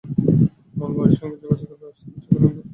মূল বাড়ির সঙ্গে যোগাযোগের ব্যবস্থা হচ্ছে কলিং বেল।